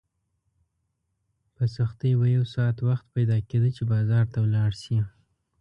په سختۍ به یو ساعت وخت پیدا کېده چې بازار ته ولاړ شې.